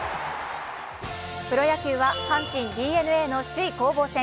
プロ野球は阪神、ＤｅＮＡの首位攻防戦。